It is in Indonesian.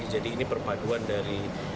jadi ini perpaduan dari